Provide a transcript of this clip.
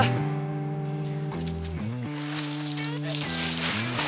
aduh keren ya